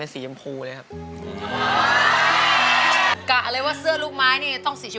เป็นช่วงเวลาที่เครียดทีเดียว